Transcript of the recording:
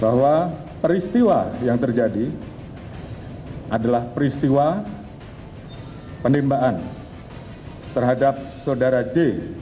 bahwa peristiwa yang terjadi adalah peristiwa penembakan terhadap saudara j